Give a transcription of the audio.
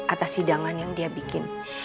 atas hidangan yang dia bikin